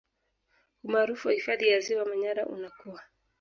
Umaarufu wa hifadhi ya Ziwa Manyara unakua